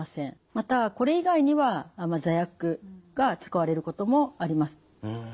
またこれ以外には座薬が使われることもあります。